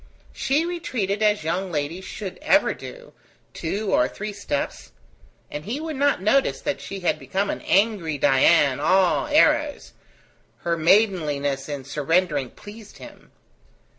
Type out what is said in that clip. She retreated as young ladies should ever do, two or three steps, and he would not notice that she had become an angry Dian, all arrows: her maidenliness in surrendering pleased him.